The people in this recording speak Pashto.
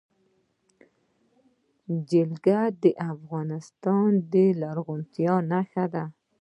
جلګه د افغانستان د زرغونتیا نښه ده.